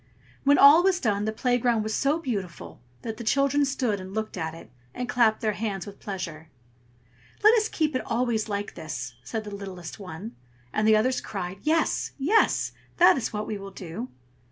When all was done the playground was so beautiful that the children stood and looked at it, and clapped their hands with pleasure. "Let us keep it always like this!" said the littlest one; and the others cried, "Yes! yes! that is what we will do."